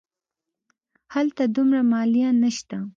هلته دومره مالیه نه شته.